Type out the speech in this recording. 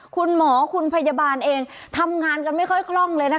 คุณหมอคุณพยาบาลเองทำงานกันไม่ค่อยคล่องเลยนะคะ